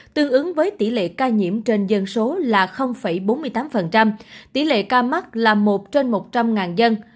tương ứng với tỷ lệ ca nhiễm trên dân số là bốn mươi tám tỷ lệ ca mắc là một trên một trăm linh dân